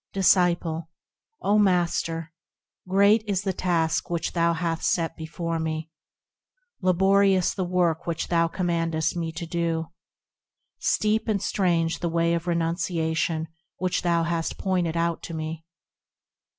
Disciple. O Master ! great is the task which thou hast set before me, Laborious the work which thou commandest me to do, Steep and strange the way of renunciation which thou hast pointed out to me.